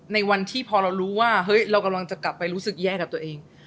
ในวันที่พอเรารู้ว่าเฮ้ยเรากำลังจะกลับไปรู้สึกแย่กับตัวเอง